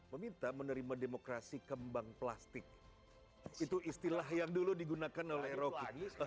meminta menerima demokrasi kembang plastik itu istilah yang dulu digunakan oleh rocky ini